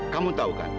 kamu tahu kan